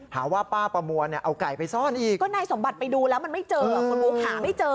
หาว่าป้าประมวลเนี่ยเอาไก่ไปซ่อนอีกก็นายสมบัติไปดูแล้วมันไม่เจอคุณบุ๊คหาไม่เจอ